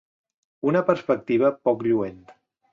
Una perspectiva poc lluent.